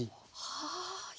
はい。